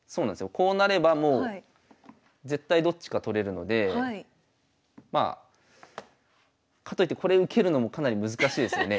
こうなればもう絶対どっちか取れるのでまあかといってこれ受けるのもかなり難しいですよね。